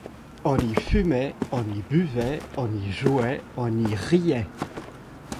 On y fumait, on y buvait, on y jouait, on y riait.